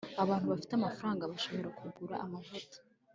abantu bafite amafaranga bashoboye kugura amavuta